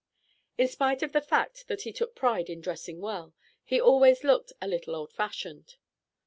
In spite of the fact that he took pride in dressing well, he always looked a little old fashioned.